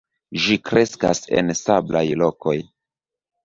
Ĝi kreskas en sablaj lokoj.